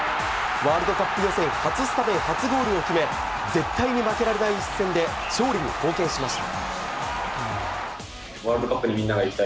ワールドカップ予選初スタメン初ゴールを決め絶対に負けられない一戦で勝利に貢献しました。